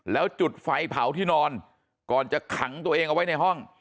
แล้วจุดไฟเผาที่นอนก่อนจะขังตัวเองเอาไว้ในห้อง